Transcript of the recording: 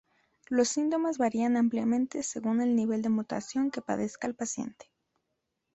Los síntomas varían ampliamente según el nivel de mutación que padezca el paciente.